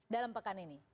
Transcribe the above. dalam pekan ini